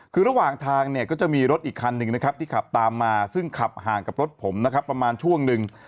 คือระหว่างทางเนี่ยก็จะมีรถอีกคันหนึ่งนะครับที่ขับตามมาซึ่งขับห่างกับรถผมนะครับประมาณช่วงหนึ่ง